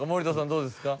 どうですか？